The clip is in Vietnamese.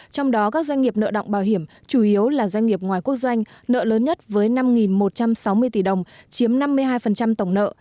trong đó các doanh nghiệp nợ động bảo hiểm chủ yếu là doanh nghiệp ngoài quốc doanh nợ lớn nhất với năm một trăm sáu mươi tỷ đồng chiếm năm mươi hai tổng nợ